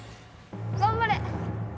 頑張れ！